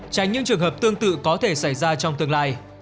tránh những trường hợp tương tự có thể xảy ra trong tương lai